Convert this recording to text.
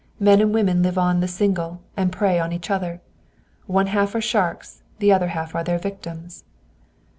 Men and women live on the single, and prey on each other. One half are sharks, and the other half are their victims!"